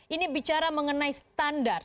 ini bicara mengenai standar